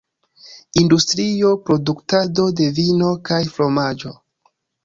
Industrio de produktado de vino kaj fromaĝo.